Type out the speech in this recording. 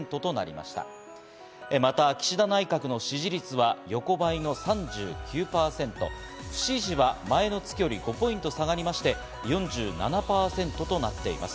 また岸田内閣の支持率は横ばいの３９％、不支持は前の月より５ポイント下がりまして、４７％となっています。